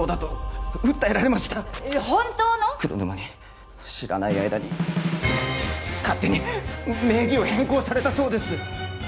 黒沼に知らない間に勝手に名義を変更されたそうです！